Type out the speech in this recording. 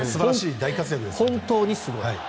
本当にすごい。